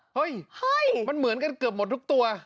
เฮ้ยมันเหมือนกันเกือบหมดทุกตัว